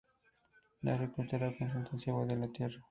De agricultura con uso intensivo de la tierra.